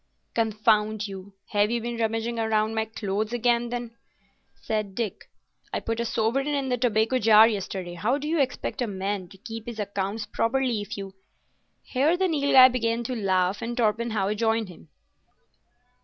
"Confound you, have you been rummaging round among my clothes, then?" said Dick. "I put a sovereign in the tobacco jar yesterday. How do you expect a man to keep his accounts properly if you——" Here the Nilghai began to laugh, and Torpenhow joined him.